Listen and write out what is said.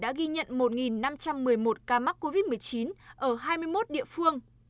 đến nay trên địa bàn tỉnh đã ghi nhận một năm trăm một mươi một ca mắc covid một mươi chín ở hai mươi một địa phương